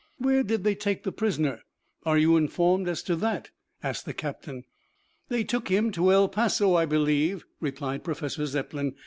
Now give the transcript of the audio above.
"Where did they take the prisoner? Are you informed as to that?" asked the captain. "They took him to El Paso, I believe," replied Professor Zepplin.